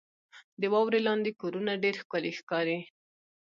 • د واورې لاندې کورونه ډېر ښکلي ښکاري.